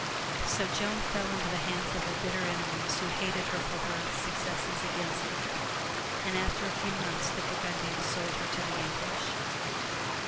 So Joan fell into the hands of her bitter enemies who hated her for her successes against them, and after a few months, the Burgundians sold her to the English.